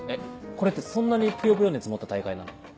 これってそんなにぷよぷよ熱持った大会なの？